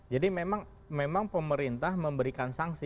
jadi memang pemerintah memberikan sanksi